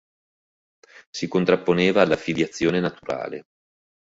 Si contrapponeva alla filiazione naturale.